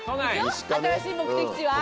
新しい目的地は。